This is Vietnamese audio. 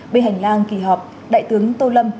bên hành lang kỳ họp đại tướng tô lâm